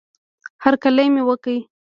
هرکلی مې وکړه